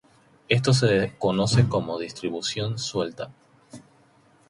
Esto se conoce como "distribución suelta".